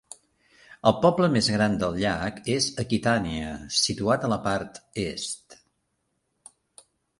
El poble més gran del llac és Aquitania, situat a la part est.